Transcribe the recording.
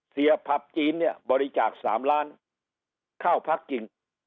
ผับจีนเนี่ยบริจาค๓ล้านเข้าพักจริง